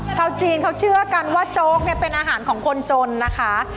ชาวจีนเขาเชื่อกันว่าโจ๊กเนี่ยเป็นอาหารของคนจนนะคะ